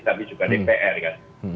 tapi juga dpr kan